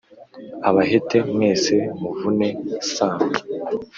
abahete mwese muvune sambwe